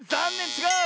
ちがう！